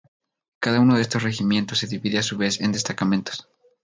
Cada uno de estos regimientos se divide a su vez en destacamentos.